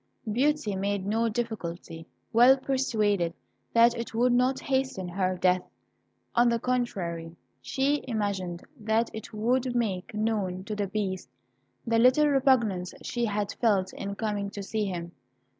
Beauty made no difficulty, well persuaded that it would not hasten her death. On the contrary, she imagined that it would make known to the Beast the little repugnance she had felt in coming to see him.